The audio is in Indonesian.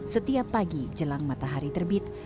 setiap pagi jelang matahari terbit